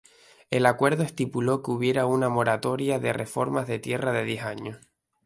El acuerdo estipuló que hubiera una moratoria de reformas de tierra de diez años.